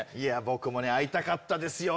僕もね会いたかったですよ